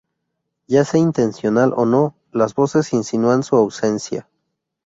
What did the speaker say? Ya sea intencional o no, las voces insinúan su ausencia.